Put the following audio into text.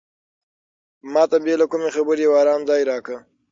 ما ته بې له کومې خبرې یو ارام ځای راکړه.